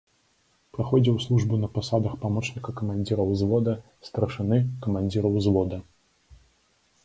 Праходзіў службу на пасадах памочніка камандзіра ўзвода, старшыны, камандзіра ўзвода.